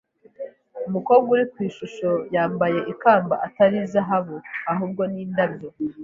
Umukobwa uri ku ishusho yambaye ikamba atari zahabu ahubwo ni indabyo.